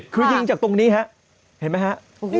คือยิงจากตรงนี้ครับเห็นไหมครับ